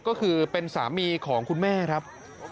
ก็คือเป็นสามีของคุณแม่ครับ